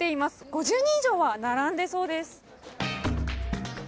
５０人以上は並んでそうです。